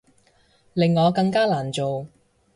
令我更加難做